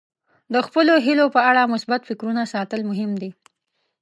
د خپلو هیلو په اړه مثبت فکرونه ساتل مهم دي.